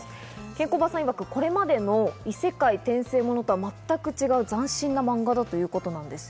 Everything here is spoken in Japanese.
ケンコバさんいわく、これまでの異世界転生モノとは全く違う斬新なマンガだということです。